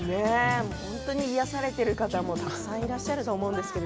本当に癒やされている方もたくさんいらっしゃると思います。